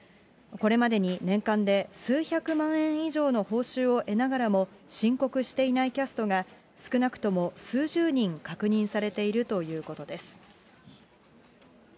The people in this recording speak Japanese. これまでに年間で数百万円以上の報酬を得ながらも、申告していないキャストが少なくとも数十人、確認されているということです。